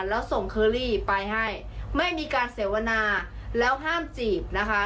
แล้วส่งเคอรี่ไปให้ไม่มีการเสวนาแล้วห้ามจีบนะคะ